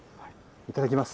いただきます。